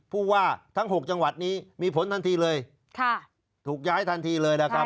ผู้ว่าทั้ง๖จังหวัดนี้มีผลทันทีเลยค่ะถูกย้ายทันทีเลยนะครับ